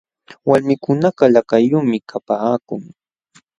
Walmikunakaq lakayuqmi kapaakun.